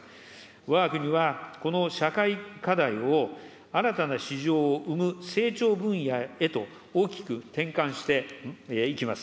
わが国はこの社会課題を新たな市場を生む成長分野へと大きく転換していきます。